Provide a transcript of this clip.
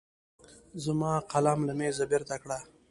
زما قلم له مېزه بېرته کړه.